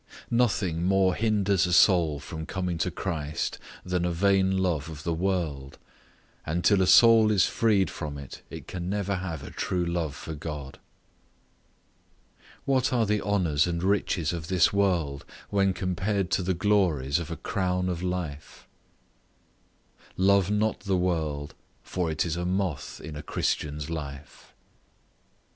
Nothing more hinders a soul from coming to Christ than a vain love of the world; and till a soul is freed from it, it can never have a true love for God. What are the honours and riches of this world, when compared to the glories of a crown of life? Love not the world, for it is a moth in a Christian's life.